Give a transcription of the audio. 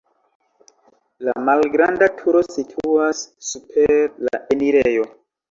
La malgranda turo situas super la enirejo.